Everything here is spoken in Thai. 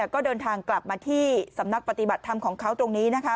ก็เดินทางกลับมาที่สำนักปฏิบัติธรรมของเขาตรงนี้นะคะ